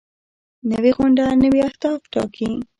نوې غونډه نوي اهداف ټاکي